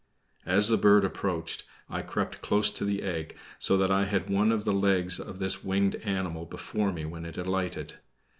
As the bird approached I crept close to the egg, so that I had one of the legs of this winged animal before me when it alighted.